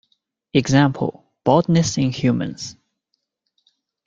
Example: baldness in humans.